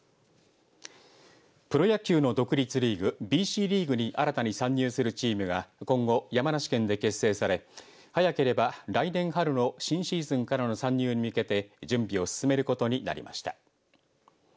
プロ野球の独立リーグＢＣリーグに新たに参入するチームが今後山梨県で結成され早ければ来年春の新シーズンからの参入に向けて準備を進めることになりました。